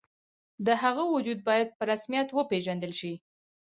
د هغه وجود باید په رسمیت وپېژندل شي.